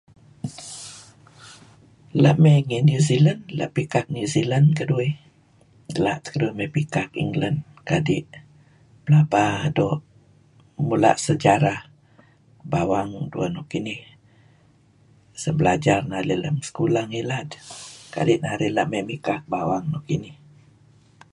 La' mey ngih New Zealand, la' pikak New Zealand keduih, la' teh keduih mey pikak England kadi' pelaba doo,' mula' sejarah bawang dueh nuk inih sebelajar narih lem sekulah ngilad kadi' narih la' mey mikak bawang nuk inih.